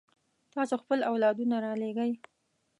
تاسو خپل اولادونه رالېږئ.